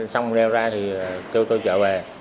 xong leo ra thì kêu tôi trở về